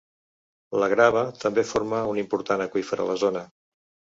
La grava també forma un important aqüífer a la zona.